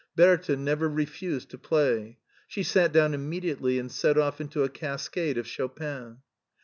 Bertha never refused to play. She sat down immediately and set oflf into a cascade of Chopin.